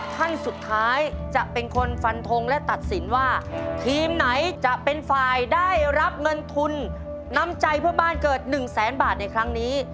ท่านสุดท้ายจะเป็นคนฟันทงและตัดสินว่าทีมไหนจะเป็นฝ่ายได้รับเงินทุนน้ำใจเพื่อบ้านเกิด๑แสนบาทในครั้งนี้